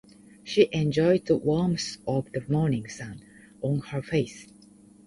She enjoyed the warmth of the morning sun on her face.